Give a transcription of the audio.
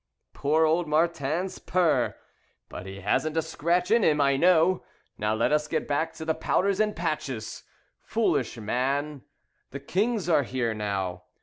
"Poor old Martin's purr! But he hasn't a scratch in him, I know. Now let us get back to the powders and patches. Foolish man, The Kings are here now.